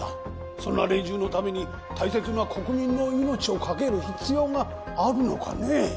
そんな連中のために大切な国民の命をかける必要があるのかねぇ？